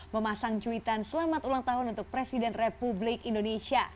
memasang cuitan selamat ulang tahun untuk presiden republik indonesia